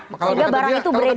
sehingga barang itu beredar